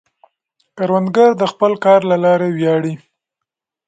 کروندګر د خپل کار له لارې ویاړي